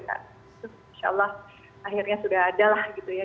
insya allah akhirnya sudah ada lah gitu ya